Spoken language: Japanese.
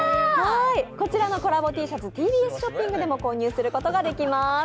こちらのコラボＴシャツはＴＢＳショッピングでも購入することができます。